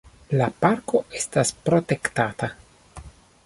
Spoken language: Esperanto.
La parko estas protektata.